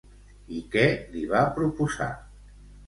I què li va proposar?